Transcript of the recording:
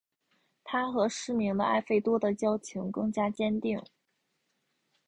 他和失明的艾费多的交情更加坚定。